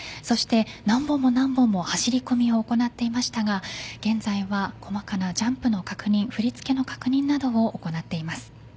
何本も何本も走り込みを行っていましたが現在は、細かなジャンプの確認振り付けの確認などを行っています。